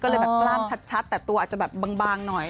โดยแบบบากชัดแต่ตัวอาจจะแบบบางน้อย